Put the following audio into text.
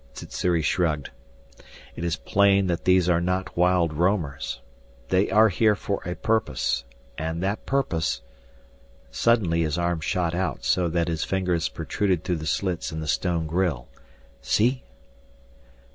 Sssuri shrugged. "It is plain that these are not wild roamers. They are here for a purpose. And that purpose " Suddenly his arm shot out so that his fingers protruded through the slits in the stone grille. "See?"